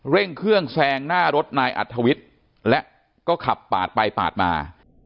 เร่งเครื่องแซงหน้ารถนายอัธวิทย์และก็ขับปาดไปปาดมา